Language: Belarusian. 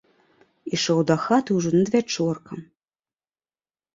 Ішоў дахаты ўжо надвячоркам.